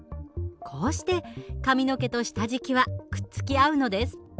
こうして髪の毛と下敷きはくっつき合うのです。